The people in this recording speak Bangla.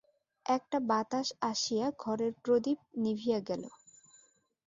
একটা বাতাস আসিয়া ঘরের প্রদীপ নিভিয়া গেল।